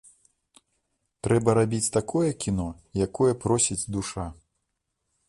Трэба рабіць такое кіно, якое просіць душа.